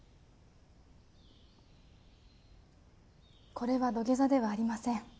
これは土下座ではありません。